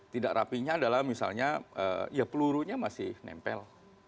tidak rapinya adalah misalnya ya pelurunya masih nempel